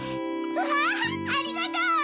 うわありがとう！